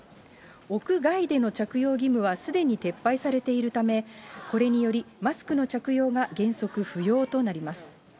屋外での着用義務はすでに撤廃されているため、これにより、マスクの着用が原則不要となります。